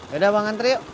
yaudah bang ngantri yuk